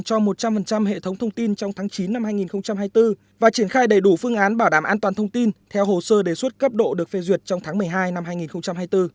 cho một trăm linh hệ thống thông tin trong tháng chín năm hai nghìn hai mươi bốn và triển khai đầy đủ phương án bảo đảm an toàn thông tin theo hồ sơ đề xuất cấp độ được phê duyệt trong tháng một mươi hai năm hai nghìn hai mươi bốn